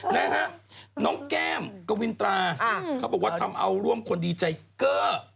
นะฮะน้องแก้มกวินตราเขาบอกว่าทำเอาร่วมคนดีใจเกอร์